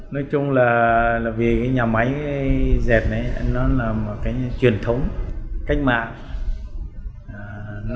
nói chung là vì cái nhà máy dệt ấy nó là một cái truyền thống cách mạng